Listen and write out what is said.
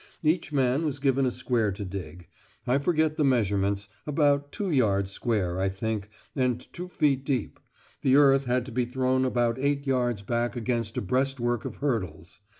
Each man was given a square to dig. I forget the measurements; about two yards square, I think, and two feet deep. The earth had to be thrown about eight yards back against a breastwork of hurdles.